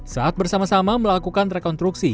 saat bersama sama melakukan rekonstruksi